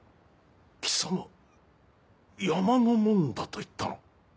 貴様山の者だと言ったな。